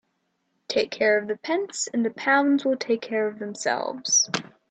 Take care of the pence and the pounds will take care of themselves.